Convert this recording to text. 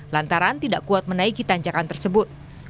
lantaran tidak kuat menaiki tanjakan tersebut